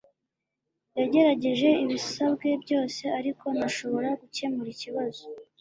yagerageje ibyasabwe byose ariko ntashobora gukemura ikibazo